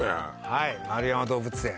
はい円山動物園